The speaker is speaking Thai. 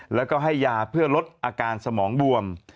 แล้วก็ให้ยาเพื่อลดอาการสมองบวม